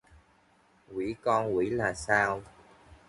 Quỷ con quỷ là sao